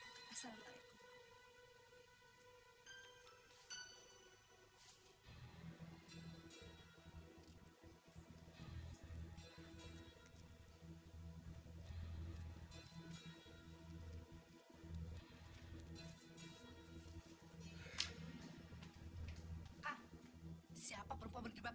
kamu seperti apa unsur nyama sisumenu